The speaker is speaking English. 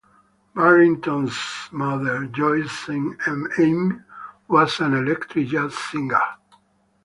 Barrington's mother, Joyce Saint Amie, was an electric jazz singer.